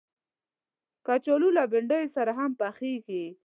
کچالو له بنډیو سره هم پخېږي